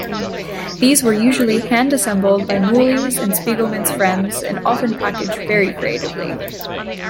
These were usually hand-assembled by Mouly's and Spiegelman's friends, and often packaged very creatively.